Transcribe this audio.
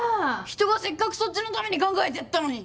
ひとがせっかくそっちのために考えてやったのに。